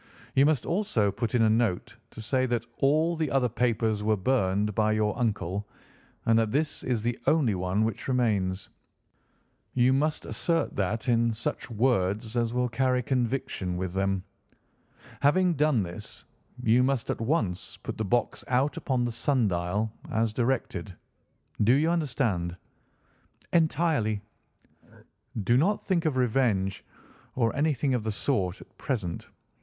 You must also put in a note to say that all the other papers were burned by your uncle, and that this is the only one which remains. You must assert that in such words as will carry conviction with them. Having done this, you must at once put the box out upon the sundial, as directed. Do you understand?" "Entirely." "Do not think of revenge, or anything of the sort, at present.